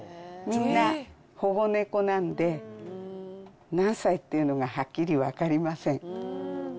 みんな保護猫なんで、何歳っていうのがはっきり分かりません。